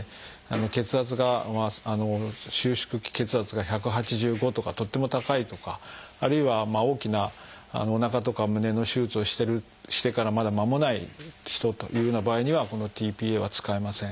血圧が収縮期血圧が１８５とかとっても高いとかあるいは大きなおなかとか胸の手術をしてからまだ間もない人というような場合にはこのｔ−ＰＡは使えません。